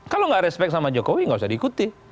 kalau nggak respect sama jokowi nggak usah diikuti